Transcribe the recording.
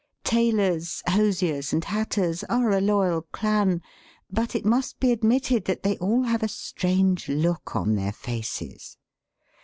Tailors, hosiers, and hatters are a loyal clan ; but It must be admitted that they all have a strange look on their faces.